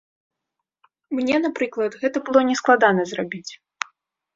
Мне, напрыклад, гэта было не складана зрабіць.